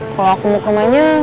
kalau aku mau ke rumahnya